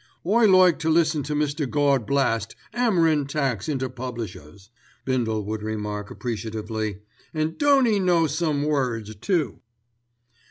"I like to listen to Mr. Gawd Blast 'ammerin' tacks into publishers," Bindle would remark appreciatively. "An' don't 'e know some words too!"